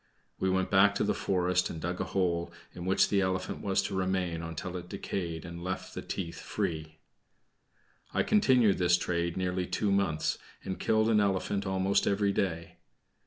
We went back to the forest and dug a hole, in which the elephant was to remain until it decayed and left the teeth free. I continued this trade nearly two months, and killed an elephant almost every day.